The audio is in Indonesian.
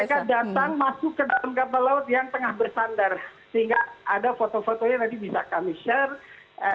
mereka datang masuk ke dalam kapal laut yang tengah bersandar sehingga ada foto fotonya nanti bisa kami share